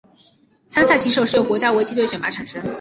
参赛棋手由国家围棋队选拔产生。